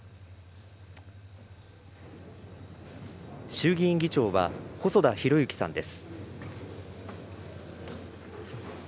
衆議院議長は、細田博之さんです。